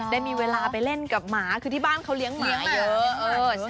ได้มีเวลาไปเล่นกับหมาคือที่บ้านเขาเลี้ยงหมาเยอะ